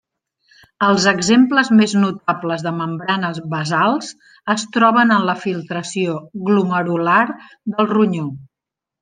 Els exemples més notables de membranes basals es troben en la filtració glomerular del ronyó.